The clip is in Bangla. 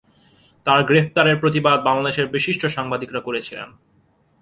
তার গ্রেপ্তারের প্রতিবাদ বাংলাদেশের বিশিষ্ট সাংবাদিকরা করেছিলেন।